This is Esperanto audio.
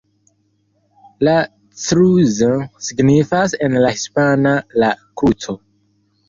La Cruz signifas en la hispana "La Kruco".